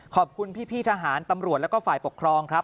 ขอบคุณพี่ทหารตำรวจแล้วก็ฝ่ายปกครองครับ